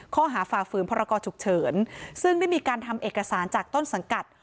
ฝ่าฝืนพรกรฉุกเฉินซึ่งได้มีการทำเอกสารจากต้นสังกัด